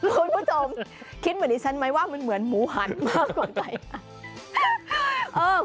คุณผู้ชมคิดเหมือนดิฉันไหมว่ามันเหมือนหมูหันมากกว่าไป